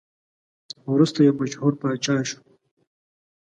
وروسته یو مشهور پاچا شو.